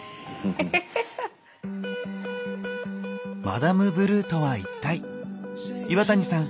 マダムブルーとは一体⁉岩谷さん